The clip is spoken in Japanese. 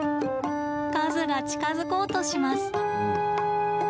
和が近づこうとします。